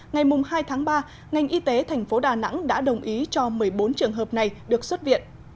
ngày hai tháng ba ngành y tế thành phố đà nẵng đã đồng ý cho một mươi bốn trường hợp này được xuất viện